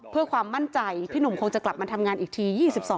เพื่อความมั่นใจพี่หนุ่มคงจะกลับมาทำงานอีกที